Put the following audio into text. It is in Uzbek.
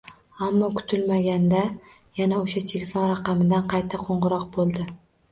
Ammo kutilmaganda yana o'sha telefon raqamidan qayta qo'ng'iroq bo'ldi